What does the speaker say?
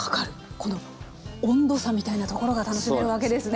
この温度差みたいなところが楽しめるわけですね。